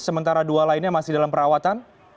sementara dua lainnya masih dalam perawatan